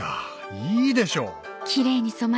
いいでしょう？